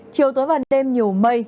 chiều tối và đêm nhiều mây